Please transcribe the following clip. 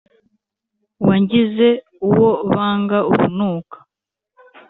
Wangize uwo banga urunuka